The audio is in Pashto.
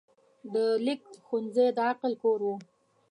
د لیک ښوونځی د عقل کور و.